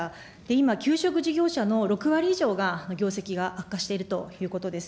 今、給食事業者の６割以上が業績が悪化しているということです。